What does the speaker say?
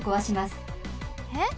えっ？